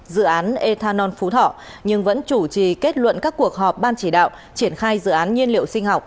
dự án ethanol phú thọ nhưng vẫn chủ trì kết luận các cuộc họp ban chỉ đạo triển khai dự án nhiên liệu sinh học